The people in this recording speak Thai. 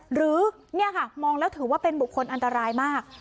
หรือเนี่ยค่ะมองแล้วถือว่าเป็นบุคคลอันตรายมาก